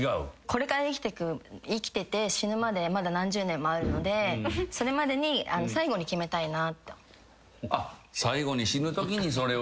これから生きてて死ぬまでまだ何十年もあるのでそれまでに最後に決めたいなって。